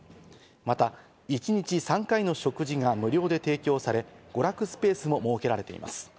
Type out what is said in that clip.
また１日３回の食事が無料で提供され、娯楽スペースも設けられています。